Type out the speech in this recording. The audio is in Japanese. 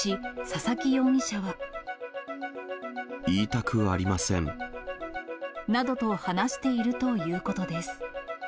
言いたくありません。などと話しているということです。